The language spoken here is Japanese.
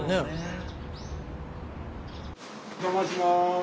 お邪魔します。